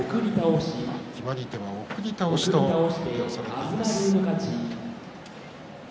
決まり手は送り倒しとアナウンスされています。